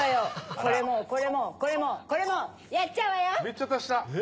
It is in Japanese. これも、これも、これも、これもやっちゃうわよ！